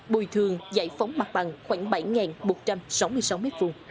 bồi thường giải phóng mặt bằng khoảng bảy một trăm sáu mươi sáu m hai